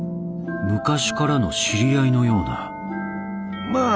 昔からの知り合いのようなまあ